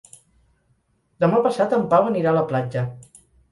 Demà passat en Pau anirà a la platja.